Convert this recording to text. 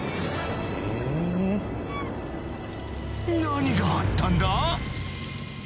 何があったんだ？